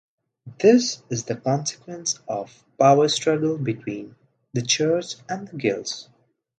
This is the consequence of a power struggle between the church and the guilds.